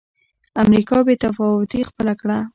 امریکا بې تفاوتي خپله کړه.